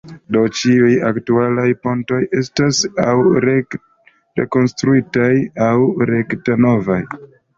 Do, ĉiuj aktualaj pontoj estas aŭ rekonstruitaj aŭ rekte novaj.